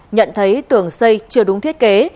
nhận thấy tường xây chưa đúng thiết kế